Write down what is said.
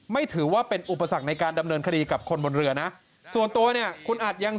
ไม่ถือว่าเป็นอุปสรรคในการดำเนินคดีกับคนบนเรือนะส่วนตัวเนี่ยคุณอัดยัง